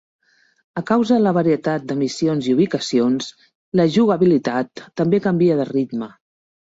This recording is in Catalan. A causa de la varietat de missions i ubicacions, la jugabilitat també canvia de ritme.